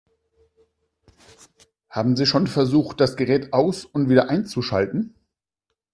Haben Sie schon versucht, das Gerät aus- und wieder einzuschalten?